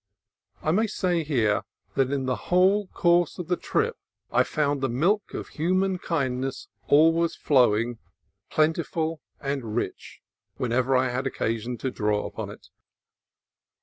I may say here that in the whole course of the trip I found the milk of human kind ness always flowing, plentiful and rich, whenever I had occasion to draw upon it.